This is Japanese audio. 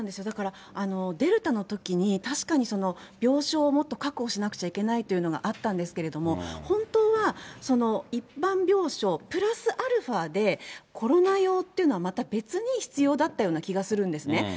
だからデルタのときに確かに病床をもっと確保しなくちゃいけないというのがあったんですけれども、本当はその一般病床プラスアルファで、コロナ用というのはまた別に必要だったような気がするんですね。